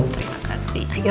terima kasih ayo